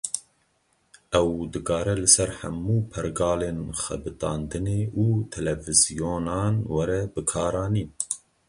Ew dikare li ser hemû pergalên xebitandinê û televizyonan were bikaranîn.